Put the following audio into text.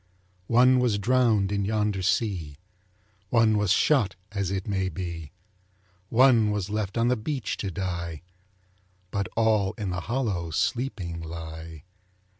One was drowned in yonder sea, One was shot as it may be, One was left on the beach to die, But all in the hollow sleeping lie.